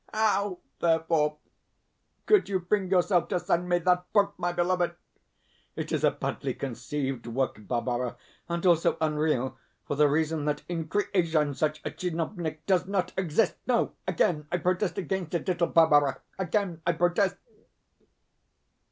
How, therefore, could you bring yourself to send me that book, my beloved? It is a badly conceived work, Barbara, and also unreal, for the reason that in creation such a tchinovnik does not exist. No, again I protest against it, little Barbara; again I protest.